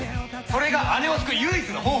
それが姉を救う唯一の方法です。